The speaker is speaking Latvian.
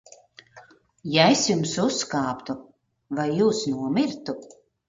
Ja es jums uzkāptu, vai jūs nomirtu?